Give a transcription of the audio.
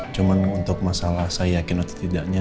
cuma untuk masalah saya yakin atau tidaknya